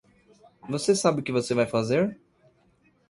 Você sabe o que você vai fazer?